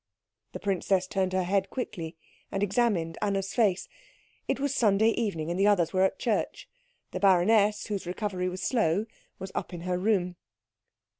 The princess turned her head quickly, and examined Anna's face. It was Sunday evening, and the others were at church. The baroness, whose recovery was slow, was up in her room.